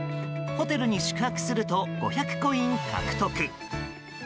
ホテルに宿泊すると５００コイン獲得。